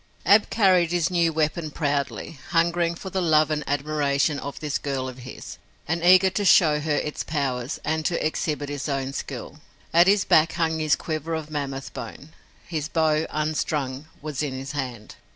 Ab carried his new weapon proudly, hungering for the love and admiration of this girl of his, and eager to show her its powers and to exhibit his own skill. At his back hung his quiver of mammoth bone. His bow, unstrung, was in his hand.